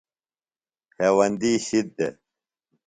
ہیوندی شِد دےۡ۔